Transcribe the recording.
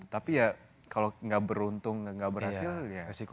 tapi ya kalau gak beruntung gak berhasil